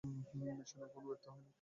Mission এখনও ব্যর্থ হয়নি।